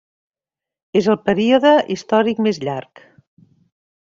És el període històric més llarg.